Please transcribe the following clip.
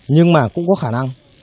nhưng mà cũng có khả năng